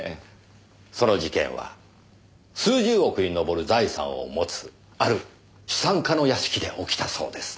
その事件は数十億にのぼる財産を持つある資産家の屋敷で起きたそうです。